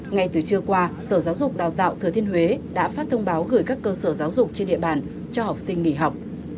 ngay từ trưa qua sở giáo dục đào tạo thừa thiên huế đã phát thông báo gửi các cơ sở giáo dục trên địa bàn cho học sinh nghỉ học